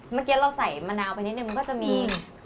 เมื่อกี้เราใส่มะนาวไปนิดนึงมันก็จะมี